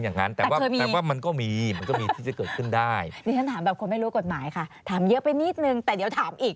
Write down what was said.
น้อยมั้ยคะน้อย